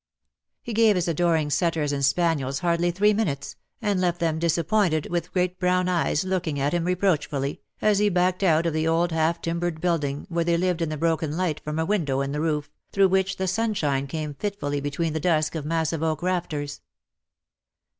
He gave his adoring setters and spaniels hardly three minutes, and left them disappointed, with great brown eyes looking at him reproachfully, as he DEAD LOVE HAS CHAINS. 6 I backed out of the old half timbered building, where they lived in the broken light from a window in the roof, through which the sunshine came fitfully be tween the dusk of massive oak rafters.